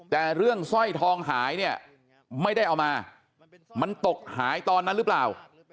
แต่เรื่องสร้อยทองหายเนี่ยไม่ได้เอามามันตกหายตอนนั้นหรือเปล่า